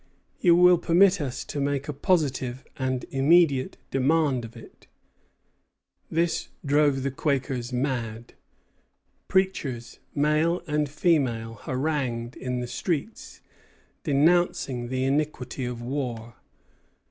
You will permit us to make a positive and immediate demand of it." This drove the Quakers mad. Preachers, male and female, harangued in the streets, denouncing the iniquity of war.